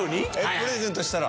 プレゼントしたら？